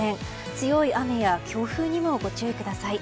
強い雨や強風にもご注意ください。